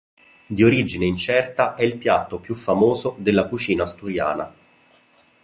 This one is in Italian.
Di origine incerta, è il piatto più famoso della cucina asturiana.